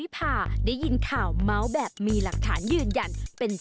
โปรดติดตามตอนต่อไป